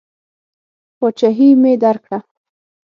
پاچهي مې درکړه.